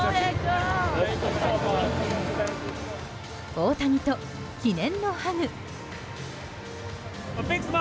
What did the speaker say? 大谷と記念のハグ。